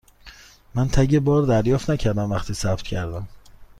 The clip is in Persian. من تگ بار دریافت نکردم وقتی ثبت کردم.